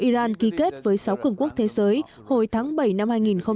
iran ký kết với sáu cường quốc thế giới hồi tháng bảy năm hai nghìn một mươi tám